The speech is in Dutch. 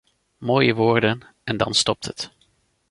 Mooie woorden en dan stopt het.